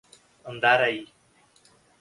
Andaraí